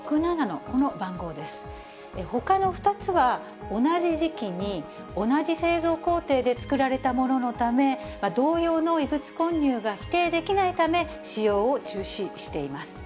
ほかの２つは、同じ時期に、同じ製造工程で作られたもののため、同様の異物混入が否定できないため、使用を中止しています。